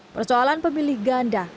persoalan pemilih ganda